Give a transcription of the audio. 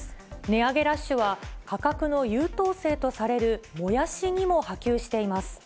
値上げラッシュは、価格の優等生とされるもやしにも波及しています。